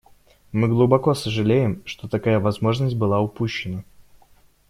Мы глубоко сожалеем, что такая возможность была упущена.